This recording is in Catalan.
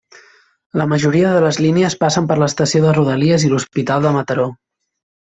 La majoria de les línies passen per l'estació de Rodalies i l'Hospital de Mataró.